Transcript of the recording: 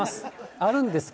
あるんですけど。